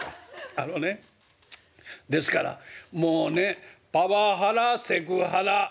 あのねですからもうねパワハラセクハラエイジハラ